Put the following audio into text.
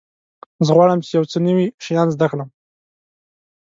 زه غواړم چې یو څه نوي شیان زده کړم.